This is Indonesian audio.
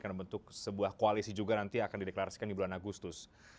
karena membentuk sebuah koalisi juga nanti akan dideklarasikan di bulan agustus